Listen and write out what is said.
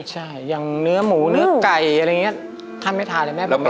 ใช่อย่างเนื้อหมูเนื้อไก่อะไรอย่างเงี้ยถ้าไม่ทานเลยแม่ไม่ทานเลย